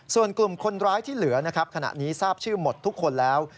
ส่วนกลุ่มคนร้ายที่เหลือนะครับขณะนี้ทราบชื่อหมดทุกคนแล้ว